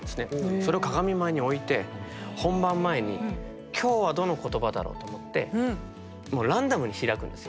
それを鏡前に置いて本番前に今日はどの言葉だろうと思ってもうランダムに開くんですよ。